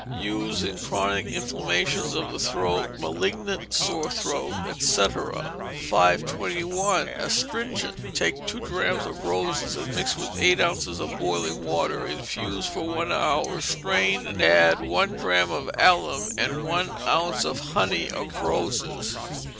Use in chronic inflammation of the throat, malignant sore throat, &c. 521. Astringent. Take two drachms of roses and mix with eight ounces of boiling water, infuse for one hour, strain, and add one drachm of alum and one ounce of honey of roses.